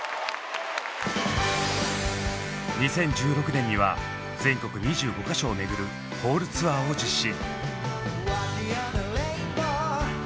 ２０１６年には全国２５か所を巡るホールツアーを実施。